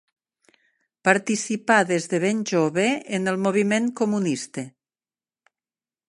Participà des de ben jove en el moviment comunista.